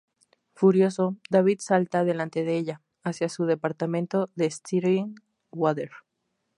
Furioso, David "salta" delante de ella, hacia su departamento en Stillwater.